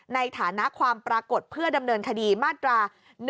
ในฐานะความปรากฏเพื่อดำเนินคดีมาตรา๑๑